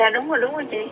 đúng rồi đúng rồi chị